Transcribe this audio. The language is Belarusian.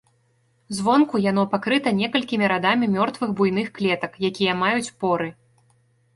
Звонку яно пакрыта некалькімі радамі мёртвых буйных клетак, якія маюць поры.